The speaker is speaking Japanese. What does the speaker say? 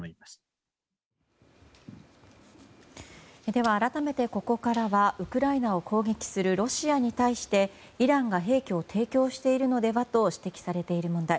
では改めて、ここからはウクライナを攻撃するロシアに対してイランが兵器を提供しているのではと指摘されている問題。